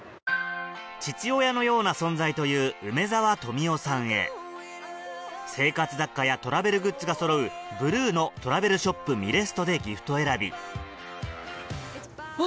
父親のような存在という梅沢富美男さんへ生活雑貨やトラベルグッズがそろう「ＢＲＵＮＯ／ＴＲＡＶＥＬＳＨＯＰＭＩＬＥＳＴＯ」でギフト選びうわ